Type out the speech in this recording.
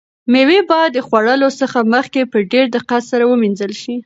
مېوې باید د خوړلو څخه مخکې په ډېر دقت سره ومینځل شي.